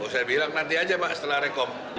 saya bilang nanti aja pak setelah rekom